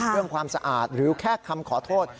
ความสะอาดหรือแค่คำขอโทษ